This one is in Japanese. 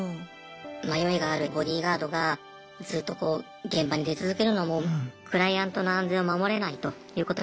迷いがあるボディーガードがずっとこう現場に出続けるのもクライアントの安全を守れないということにつながります。